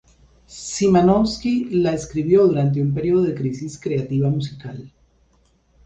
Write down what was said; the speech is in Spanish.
Szymanowski la escribió durante un periodo de crisis creativa musical.